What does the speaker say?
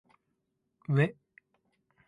うぇ